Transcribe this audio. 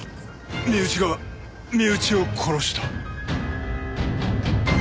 身内が身内を殺した。